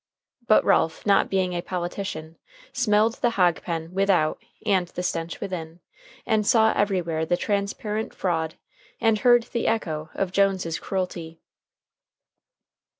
But Ralph, not being a politician, smelled the hog pen without and the stench within, and saw everywhere the transparent fraud, and heard the echo of Jones's cruelty.